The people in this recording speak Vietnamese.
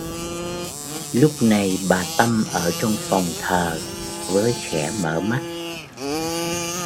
Lúc này bà tâm ở trong phòng thờ với khẽ mở mắt